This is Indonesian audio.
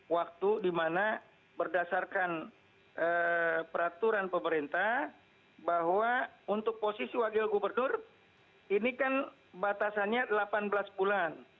waktu dimana berdasarkan peraturan pemerintah bahwa untuk posisi wakil gubernur ini kan batasannya delapan belas bulan